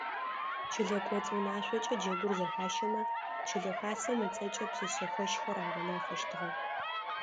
Чылэ кӏоцӏ унашъокӏэ джэгур зэхащэмэ, чылэ хасэм ыцӏэкӏэ пшъэшъэхэщхэр агъэнафэщтыгъэ.